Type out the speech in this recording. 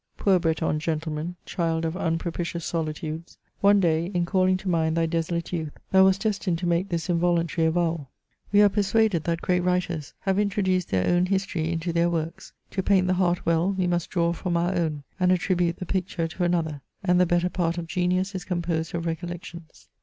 Poor Breton gentleman, child of impropitious solitudes, one day, in calling to mind thy desolate youth, thou wast destined to make this involuntary avowal :" We are persuaded that CHATEAUBRIAND. great writers have introduced their own history into their works. To paint the heart well, toe must draw from our oum, and attribute the picture to another, and the better part of genius is composed of recollections."